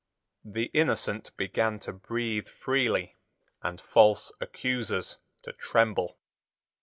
The innocent began to breathe freely, and false accusers to tremble.